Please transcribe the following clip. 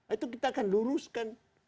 itu kita akan luruskan